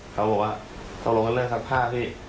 เขาบอกว่าตกลงกันเรื่องซักผ้าพี่